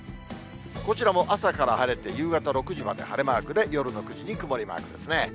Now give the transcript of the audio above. こちらも朝から晴れて、夕方６時まで晴れマークで、夜の９時に曇りマークですね。